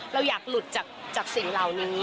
เราอยากหลุดจากสิ่งเหล่านี้